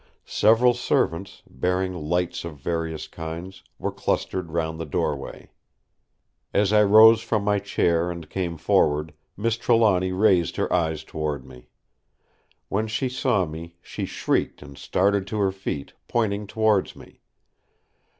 Several servants, bearing lights of various kinds, were clustered round the doorway. As I rose from my chair and came forward, Miss Trelawny raised her eyes toward me. When she saw me she shrieked and started to her feet, pointing towards me.